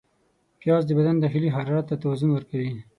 پیاز د بدن داخلي حرارت ته توازن ورکوي